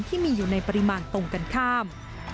ที่มีอยู่ในปริมาณตรงกันข้าม